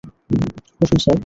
বসুন, স্যার।